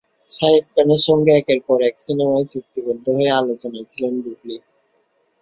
শাকিব খানের সঙ্গে একের পর এক সিনেমায় চুক্তিবদ্ধ হয়ে আলোচনায় ছিলেন বুবলী।